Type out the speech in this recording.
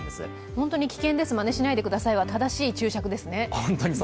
本当に危険です、まねしないでくださいは正しい注釈ですね。